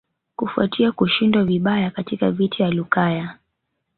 Kufuatia kushindwa vibaya katika vita vya Lukaya